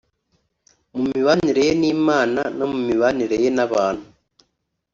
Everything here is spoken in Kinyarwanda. mu mibanire ye n’Imana no mu mibanire ye n’abantu